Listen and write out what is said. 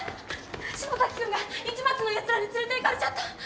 島崎君が市松のやつらに連れていかれちゃった！